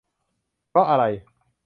เพราะอะไร